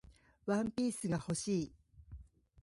ワンピースが欲しい